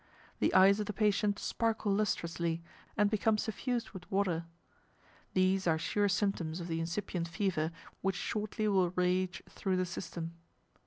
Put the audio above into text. The eyes of the patient sparkle lustrously, and become suffused with water. These are sure symptoms of the incipient fever which shortly will rage through the system.